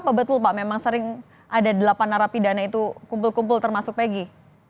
apa betul pak memang sering ada delapan narapidana itu kumpul kumpul termasuk peggy